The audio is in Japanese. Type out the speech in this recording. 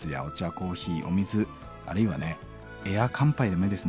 コーヒーお水あるいはねエア乾杯でもいいです。